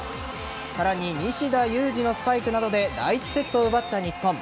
さらに西田有志のスパイクなどで第１セットを奪った日本。